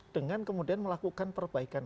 dengan kemudian melakukan perbaikan